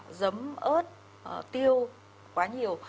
là giấm ớt tiêu quá nhiều